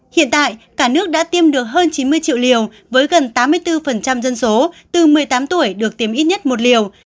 hiện tại cả nước đã tiêm được hơn chín mươi triệu liều với gần tám mươi bốn dân số từ một mươi tám tuổi được tiêm ít nhất một liều